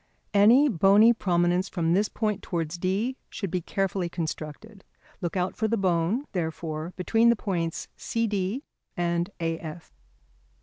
Any bony prominence from this point towards D should be carefully constructed. Look out for the bone, therefore, between the points CD and AF.